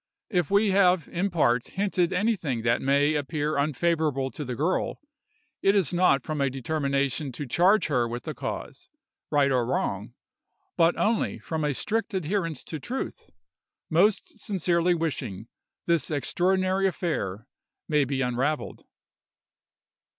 If we have in part hinted anything that may appear unfavorable to the girl, it is not from a determination to charge her with the cause, right or wrong, but only from a strict adherence to truth, most sincerely wishing this extraordinary affair may be unravelled.